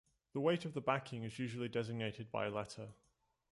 The weight of the backing is usually designated by a letter.